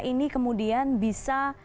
ini kemudian bisa